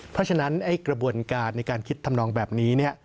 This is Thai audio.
เพราะฉะนั้นกระบวนการในการคิดทำนองแบบนี้